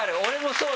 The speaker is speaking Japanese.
そう！